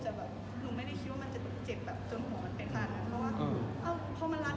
หนูไม่ได้คิดว่ามันจะเจ็บจนหัวมันไปขาด